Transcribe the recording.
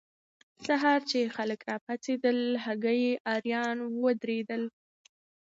سهار چې خلک راپاڅېدل، هکي اریان ودرېدل.